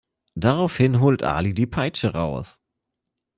Daraufhin holt Ali die Peitsche raus.